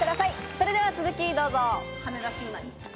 それでは続きどうぞ。